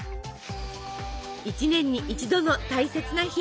一年に一度の大切な日。